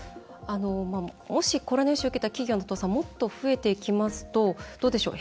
もしコロナ融資を受けた企業の倒産もっと増えていきますとどうでしょう？